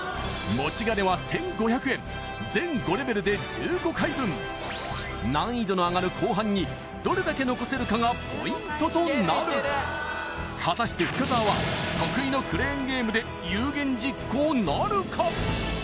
全５レベルで１５回分難易度の上がる後半にどれだけ残せるかがポイントとなる果たして深澤は得意のクレーンゲームで有言実行なるか？